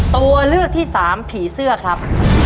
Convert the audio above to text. ตัวเลือกที่สามผีเสื้อครับ